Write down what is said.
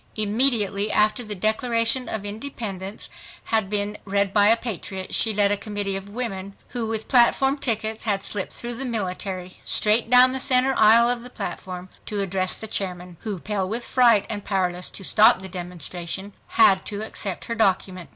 Immediately after the Declaration of Independence had been read by a patriot, she led a committee of women, who with platform tickets had slipped through the military, straight down the center aisle of the platform to address the chairman, who pale with fright and powerless to stop the demonstration had to accept her document.